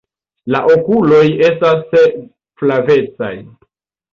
La okuloj estas flavecaj.